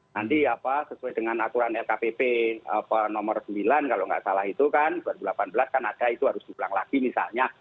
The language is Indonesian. nanti apa sesuai dengan aturan lkpp nomor sembilan kalau nggak salah itu kan dua ribu delapan belas kan ada itu harus diulang lagi misalnya